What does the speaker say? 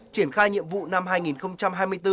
triển khai nhiệm vụ năm hai nghìn hai mươi bốn